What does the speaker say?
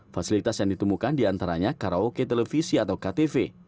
fasilitas yang ditemukan diantaranya karaoke televisi atau ktp